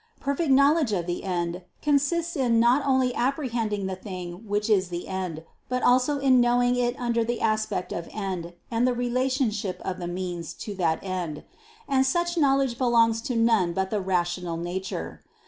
Perfect knowledge of the end consists in not only apprehending the thing which is the end, but also in knowing it under the aspect of end, and the relationship of the means to that end. And such knowledge belongs to none but the rational nature.